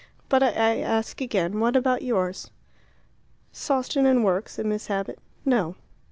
But I ask again, What about yours?" "Sawston and work," said Miss Abbott. "No."